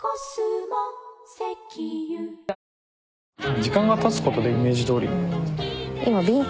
時間がたつことでイメージどおりになったって。